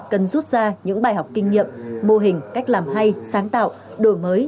cần rút ra những bài học kinh nghiệm mô hình cách làm hay sáng tạo đổi mới